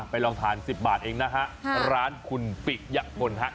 ไปลองทาน๑๐บาทเองนะฮะร้านคุณปิ๊กยักษ์มนตร์ฮะ